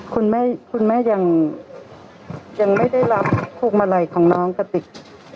คุณแม่คุณแม่ยังยังไม่ได้รับภูมิอะไรของน้องกะติก